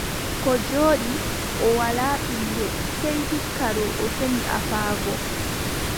Koo jooɗi, o walaa ɓiŋngel, sey hikka doo o feni afaago.